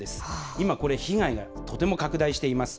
今これ、被害がとても拡大しています。